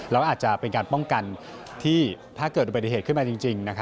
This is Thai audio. แล้วอาจจะเป็นการป้องกันที่ถ้าเกิดอุบัติเหตุขึ้นมาจริง